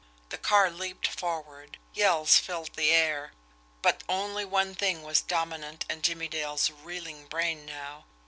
The car leaped forward, yells filled the air but only one thing was dominant in Jimmie Dale's reeling brain now.